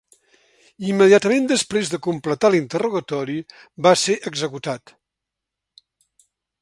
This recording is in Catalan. Immediatament després de completar l'interrogatori, va ser executat.